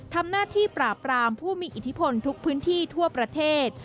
ทำหน้าที่ปราบรามผู้มีอิทธิพลทุกพื้นที่ทั่วประเทศ